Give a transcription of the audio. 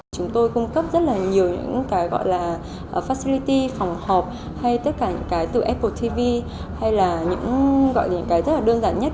chúng tôi cung cấp rất là nhiều những cái gọi là fassirity phòng họp hay tất cả những cái từ apple tv hay là những gọi những cái rất là đơn giản nhất